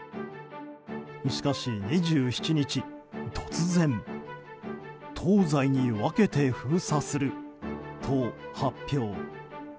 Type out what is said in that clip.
しかし２７日、突然東西に分けて封鎖すると発表。